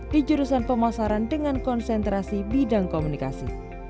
di jurusan pemasaran dengan konsentrasi bidang komunikasi